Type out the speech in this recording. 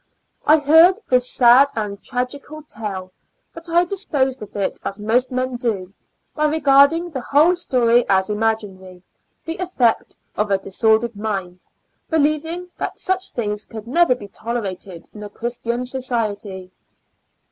I heard his sad and tragical tale, but I disposed of it as most men do, by regarding the whole story as imaginary, the e£fect of a disordered mind, believing that such things could nev^r be tolerated in a Christian country.